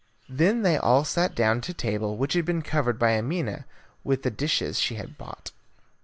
Then they all sat down to table, which had been covered by Amina with the dishes she had bought.